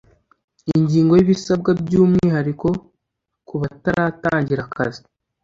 Ingingo y’Ibisabwa by umwihariko kubataratangira akazi